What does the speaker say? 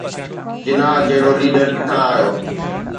جناح جهڙو ليڊر ڪٿان آيو؟